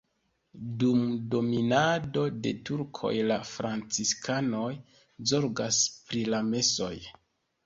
Dum dominado de turkoj la franciskanoj zorgas pri la mesoj.